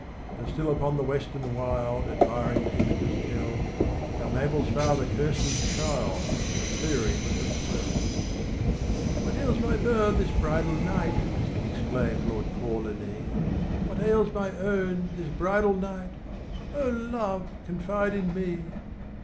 And still upon the western wild Admiring teamsters tell How Mabel's father cursed his child For clearing with a swell. 'What ails my bird this bridal night,' Exclaimed Lord Kawlinee; 'What ails my own this bridal night O love, confide in me!